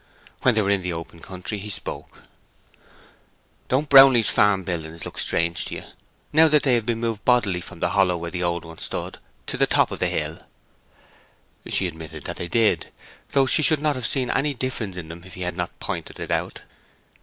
When they were in the open country he spoke. "Don't Brownley's farm buildings look strange to you, now they have been moved bodily from the hollow where the old ones stood to the top of the hill?" She admitted that they did, though she should not have seen any difference in them if he had not pointed it out.